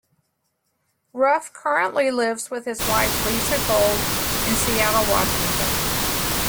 Ruff currently lives with his wife, Lisa Gold, in Seattle, Washington.